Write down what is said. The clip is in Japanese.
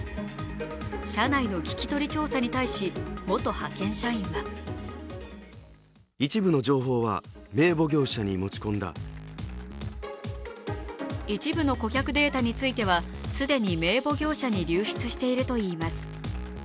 社内の聞き取り調査に対し元派遣社員は一部の顧客データについては既に名簿業者に流出しているといいます。